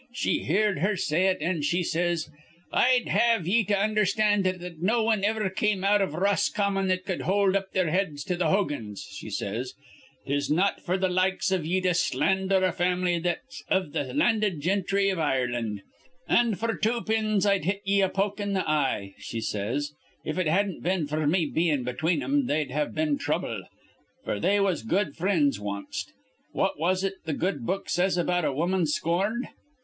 She heerd her say it, an' she says, 'I'd have ye to undherstand that no wan iver come out iv Roscommon that cud hold up their heads with th' Hogans,' she says. ''Tis not f'r th' likes iv ye to slandher a fam'ly that's iv th' landed gintry iv Ireland, an' f'r two pins I'd hit ye a poke in th' eye,' she says. If it hadn't been f'r me bein' between thim, they'd have been trouble; f'r they was good frinds wanst. What is it th' good book says about a woman scorned?